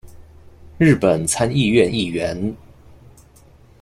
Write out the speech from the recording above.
日本参议院议员。